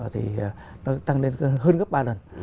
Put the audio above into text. thì nó tăng lên hơn gấp ba lần